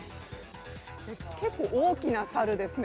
結構、大きな猿ですね。